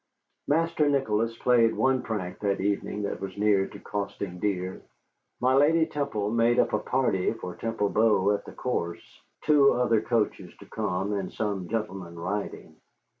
Master Nicholas played one prank that evening that was near to costing dear. My lady Temple made up a party for Temple Bow at the course, two other coaches to come and some gentlemen riding.